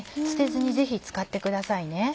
捨てずにぜひ使ってくださいね。